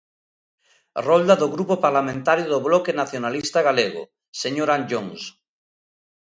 Rolda do Grupo Parlamentario do Bloque Nacionalista Galego, señor Anllóns.